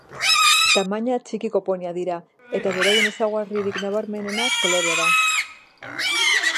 Tamaina txikiko poniak dira, eta berain ezaugarririk nabarmena kolorea da.